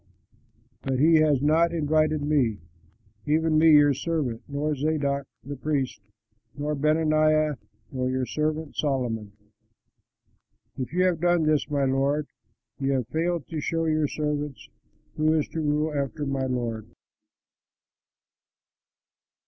But he has not invited me, even me your servant, nor Zadok, the priest, nor Benaiah nor your servant Solomon. If you have done this, my lord, you have failed to show your servants who is to rule after my lord."